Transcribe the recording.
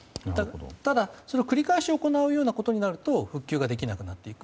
ただ、繰り返し行うようなことになると復旧できなくなっていく。